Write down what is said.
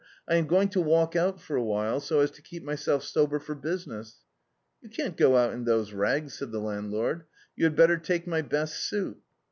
"I am going to walk out for a while, so as to keep myself sober for business." "You can't go out in those rags," said the landlord — "you had better take my best suit."